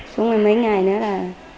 xuống mấy ngày nữa là